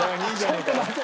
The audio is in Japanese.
ちょっと待て。